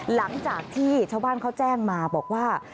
หลังจากที่ชาวบ้านเขาแจ้งมาบอกว่า